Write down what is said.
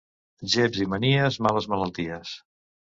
Geps i manies, males malalties.